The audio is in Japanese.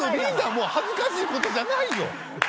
もう恥ずかしいことじゃないよ！